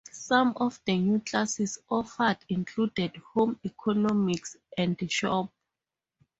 Some of the new classes offered included Home Economics and Shop.